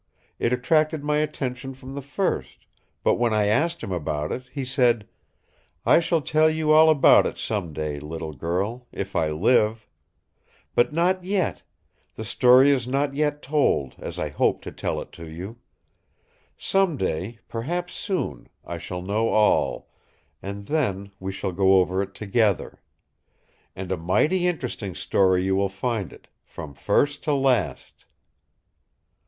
It attracted my attention from the first; but when I asked him about it he said: 'I shall tell you all about it some day, little girl—if I live! But not yet! The story is not yet told, as I hope to tell it to you! Some day, perhaps soon, I shall know all; and then we shall go over it together. And a mighty interesting story you will find it—from first to last!